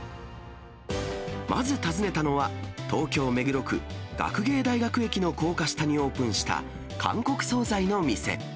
まず訪ねたのは、東京・目黒区学芸大学駅の高架下にオープンした韓国総菜の店。